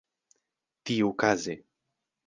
tiukaze